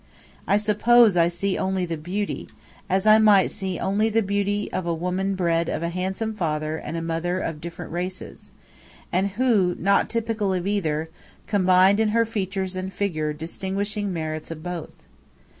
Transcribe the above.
I suppose I see only the beauty, as I might see only the beauty of a women bred of a handsome father and mother of different races, and who, not typical of either, combined in her features and figure distinguishing merits of both.